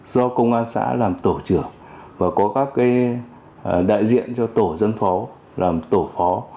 do công an xã làm tổ trưởng và có các đại diện cho tổ dân phố làm tổ phó